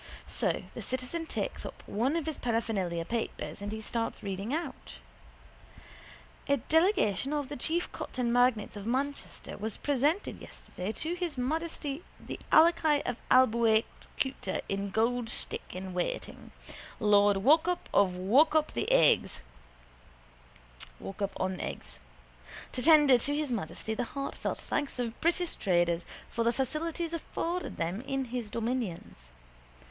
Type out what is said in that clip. So the citizen takes up one of his paraphernalia papers and he starts reading out: —A delegation of the chief cotton magnates of Manchester was presented yesterday to His Majesty the Alaki of Abeakuta by Gold Stick in Waiting, Lord Walkup of Walkup on Eggs, to tender to His Majesty the heartfelt thanks of British traders for the facilities afforded them in his dominions.